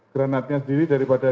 granatnya sendiri daripada